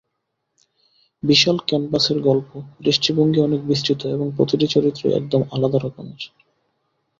বিশাল ক্যানভাসের গল্প, দৃষ্টিভঙ্গি অনেক বিস্তৃত এবং প্রতিটি চরিত্রই একদম আলাদা রকমের।